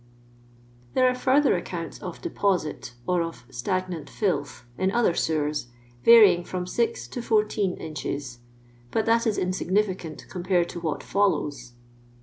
There are further accounts of " deposit," or of " stagnant filth, in other sewers, varying from 6 to 14 inches, but that is insignificant compared to what follows.